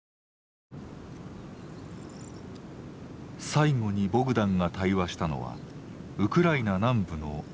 最後にボグダンが対話したのはウクライナ南部の農家。